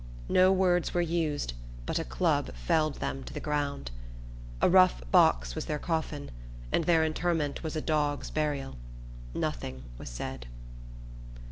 No words were used, but a club felled them to the ground. A rough box was their coffin, and their interment was a dog's burial. Nothing was said.